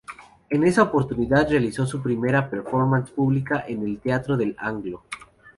En esa oportunidad realizó su primera performance pública en el Teatro del Anglo.